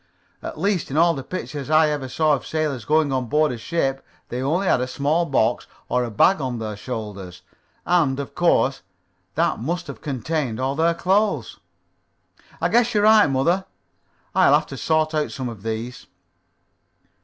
At least, in all the pictures I ever saw of sailors going on board a ship they only had a small box or bag on their shoulder, and, of course, that must have contained all their clothes." "I guess you're right, mother. I'll have to sort out some of these."